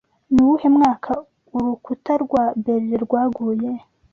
Ni uwuhe mwaka Urukuta rwa Berlin rwaguye?